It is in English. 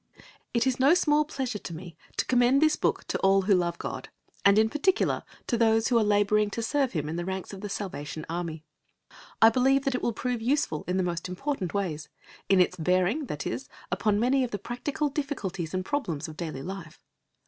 It is no small pleasure to me to commend this book to all who love God, and in particular to those who are labouring to serve Him in the ranks of The Salvation Army. I believe that it will prove useful in the most important ways in its bearing, that is, upon many of the practical difficulties and problems of daily life.